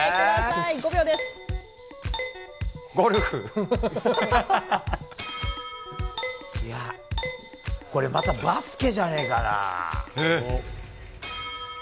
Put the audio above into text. いや、これまたバスケじゃないかな。